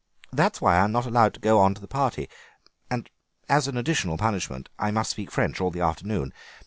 That is why I am not allowed to go to the party, and as an additional punishment I must speak French all the afternoon.